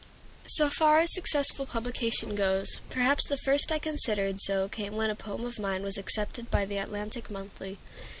So far as successful publication goes, perhaps the first I considered so came when a poem of mine was accepted by the "Atlantic Monthly."